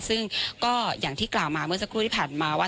ซึ่งก็อย่างที่กล่าวมาเมื่อสักครู่ที่ผ่านมาว่า